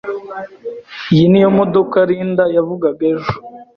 Iyi niyo modoka Linda yavugaga ejo.